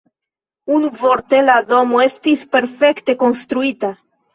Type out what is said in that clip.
Unuvorte la domo estis perfekte konstruita.